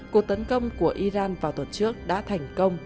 cuộc tấn công của iran vào tuần trước đã thành công